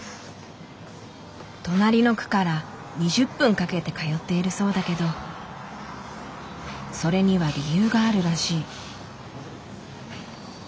隣の区から２０分かけて通っているそうだけどそれには理由があるらしい。